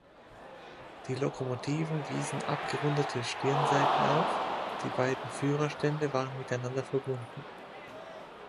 Die Lokomotiven wiesen abgerundete Stirnseiten auf; die beiden Führerstände waren miteinander verbunden.